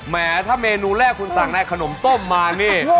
แม้ถ้าเมนูแรกคุณสั่งในขนมต้มมานี่